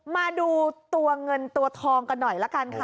มาดูตัวเงินตัวทองกันหน่อยละกันค่ะ